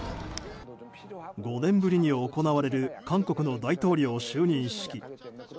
５年ぶりに行われる韓国の大統領就任式。